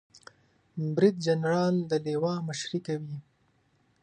بریدجنرال د لوا مشري کوي